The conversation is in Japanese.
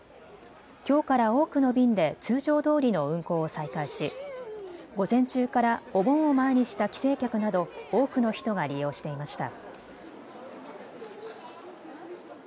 きょうから多くの便で通常どおりの運航を再開し午前中からお盆を前にした帰省客など多くの人が利用していました。